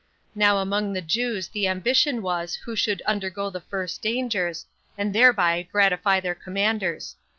Now among the Jews the ambition was who should undergo the first dangers, and thereby gratify their commanders.